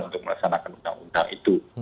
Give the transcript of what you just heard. untuk melaksanakan undang undang itu